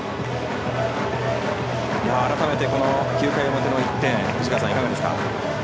改めて９回表の１点いかがですか。